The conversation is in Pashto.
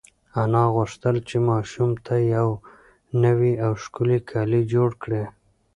انا غوښتل چې ماشوم ته یو نوی او ښکلی کالي جوړ کړي.